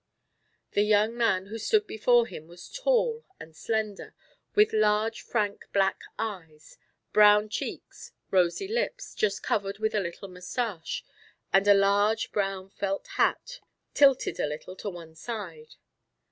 The young man who stood before him was tall and slender, with large, frank, black eyes, brown cheeks, rosy lips, just covered with a little moustache, and a large brown, felt hat, tilted a little to one side.